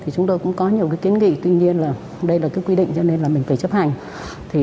chúng tôi cũng có nhiều kiến nghị tuy nhiên đây là quy định nên mình phải chấp hành